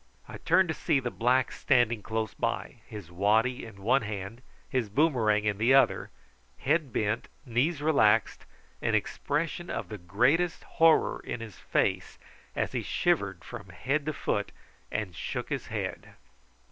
I turned to see the black standing close by, his waddy in one hand, his boomerang in the other, head bent, knees relaxed, an expression of the greatest horror in his face, as he shivered from head to foot, and shook his head.